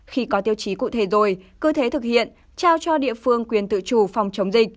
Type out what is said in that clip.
khi có tiêu chí cụ thể rồi cứ thế thực hiện trao cho địa phương quyền tự chủ phòng chống dịch